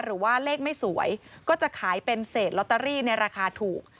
หรือว่าเลขไม่สวยก็จะขายเป็นเศษลอตเตอรี่ในราคาถูก